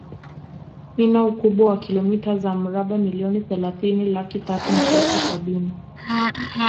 Ina ukubwa wa kilomita za mraba milioni thelathini laki tatu na elfu sabini